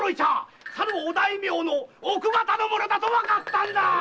さるお大名の奥方のものだとわかったんだ！